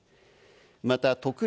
また特例